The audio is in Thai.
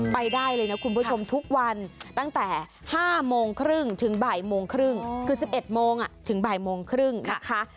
ไปได้เลยนะคุณผู้ชมทุกวันตั้งแต่๕๓๐ถึง๑๑๓๐คือ๑๑๐๐ถึง๒๑๓๐นะคะ